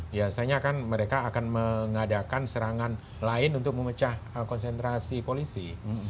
biasanya kan mereka akan mengadakan serangan lain untuk memecah konsentrasi polisi